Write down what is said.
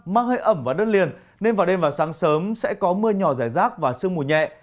mang hơi ẩm vào đất liền nên vào đêm và sáng sớm sẽ có mưa nhỏ rải rác và sương mù nhẹ